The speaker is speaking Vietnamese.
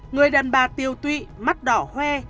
người đàn bà tiêu tuỵ mắt đỏ hoe